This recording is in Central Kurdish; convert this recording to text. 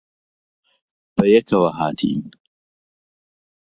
بەیەکەوە ھاتین.